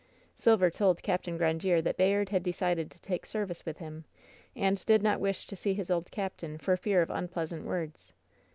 Silver told Capt. Grandiere that Bayard had decided to take service with him, and did not wish to see his old captain for fear of unpleasant words.